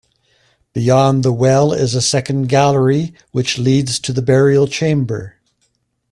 Beyond the well is a second gallery which leads to the burial chamber.